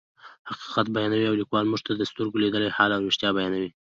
حقیقت بیانوي او لیکوال موږ ته د سترګو لیدلی حال او رښتیا بیانوي.